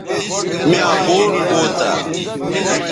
میاں بوٹ کوتہ